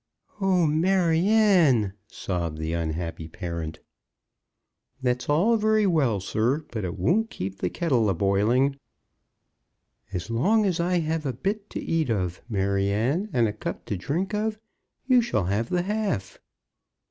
"Oh, Maryanne!" sobbed the unhappy parent. "That's all very well, sir, but it won't keep the kettle a boiling!" "As long as I have a bit to eat of, Maryanne, and a cup to drink of, you shall have the half."